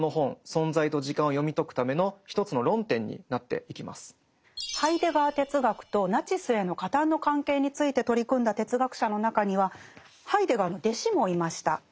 でそうなりますと彼の哲学の一体ハイデガー哲学とナチスへの加担の関係について取り組んだ哲学者の中にはハイデガーの弟子もいました。